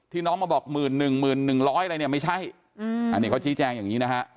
น้องมาบอก๑๑๑๐๐อะไรเนี่ยไม่ใช่อันนี้เขาชี้แจงอย่างนี้นะฮะ